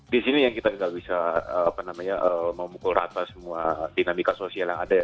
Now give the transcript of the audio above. di sini yang kita tidak bisa memukul rata semua dinamika sosial yang ada ya